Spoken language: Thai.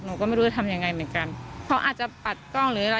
หนูก็ไม่รู้จะทำยังไงเหมือนกันเขาอาจจะปัดกล้องหรืออะไร